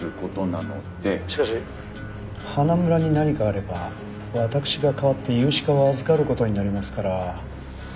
しかし花村に何かあれば私が代わって融資課を預かる事になりますから。